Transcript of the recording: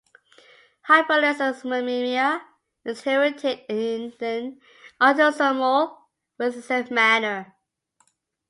Hyperlysinemia is inherited in an autosomal recessive manner.